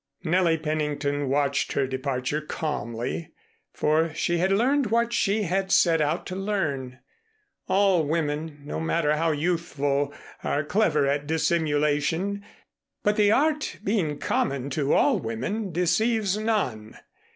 Nellie Pennington watched her departure calmly, for she had learned what she had set out to learn. All women, no matter how youthful, are clever at dissimulation, but the art being common to all women, deceives none.